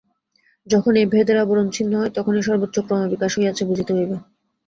যখন এই ভেদের আবরণ ছিন্ন হয়, তখনই সর্বোচ্চ ক্রমবিকাশ হইয়াছে, বুঝিতে হইবে।